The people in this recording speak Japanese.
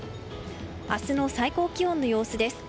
明日の最高気温の様子です。